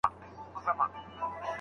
ودانۍ څنګه خوندي ساتل کیږي؟